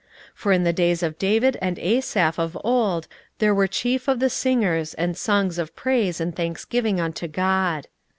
16:012:046 For in the days of David and Asaph of old there were chief of the singers, and songs of praise and thanksgiving unto God.